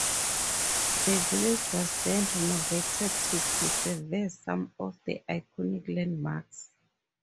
The village was then renovated to preserve some of the iconic landmarks.